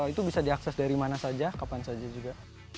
itu bisa diakses dari mana saja kapan saja juga